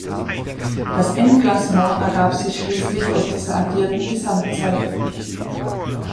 Das Endklassement ergab sich schließlich aus dieser addierten Gesamtzeit.